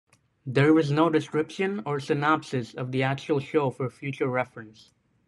There was no description or synopsis of the actual show for future reference.